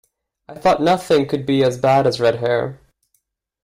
I thought nothing could be as bad as red hair.